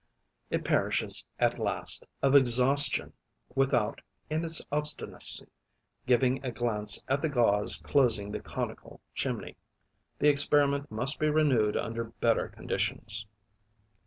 It perishes, at last, of exhaustion, without, in its obstinacy, giving a glance at the gauze closing the conical chimney. The experiment must be renewed under better conditions.